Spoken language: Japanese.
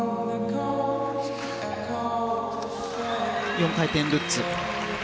４回転ルッツ。